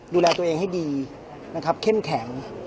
ดูแลตัวเองให้ดีนะครับเข้มแข็ง